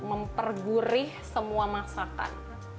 mempergurih semua masakan